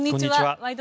「ワイド！